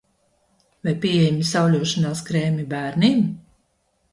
Vai pieejami sauļošanās krēmi bērniem?